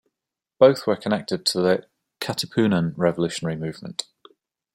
Both were connected to the "Katipunan" revolutionary movement.